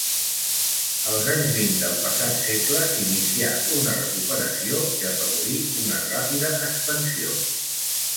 Als anys vint del passat segle s'inicià una recuperació que afavorí una ràpida expansió.